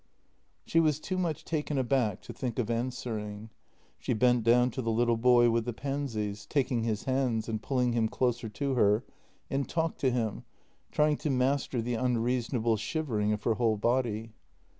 She was too much taken aback to think of answering. She bent down to the little boy with the pansies, taking his hands and pulling him closer to her, and talked to him, trying to master the unreasonable shivering of her whole body.